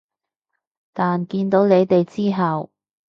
但見到你哋之後